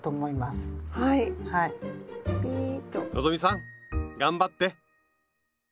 希さん頑張って！